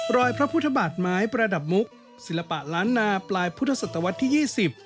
พระพุทธบาทไม้ประดับมุกศิลปะล้านนาปลายพุทธศตวรรษที่ยี่สิบ